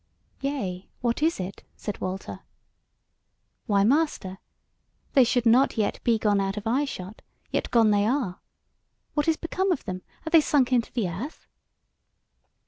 "Yea, what is it?" said Walter. "Why, master, they should not yet be gone out of eye shot, yet gone they are. What is become of them, are they sunk into the earth?"